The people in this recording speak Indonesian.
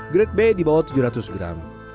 grade bay di bawah tujuh ratus gram